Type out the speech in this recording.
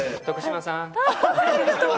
徳島さん。